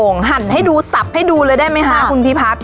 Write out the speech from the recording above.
หนูนาอบโอ่งหั่นให้ดูสับให้ดูเลยได้ไหมฮะคุณพี่ภักดิ์